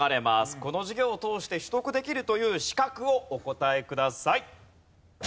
この授業を通して取得できるという資格をお答えください。